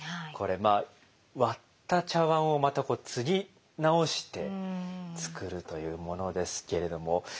これ割った茶碗をまたつぎ直して作るというものですけれども。